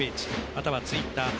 またはツイッター「＃